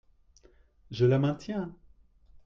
Je la maintiens.